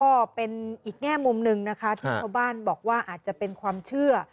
ก็เป็นอีกแง่มุมหนึ่งนะคะที่ชาวบ้านบอกว่าอาจจะเป็นความเชื่อ